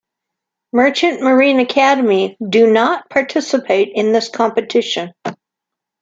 Merchant Marine Academy - do not participate in this competition.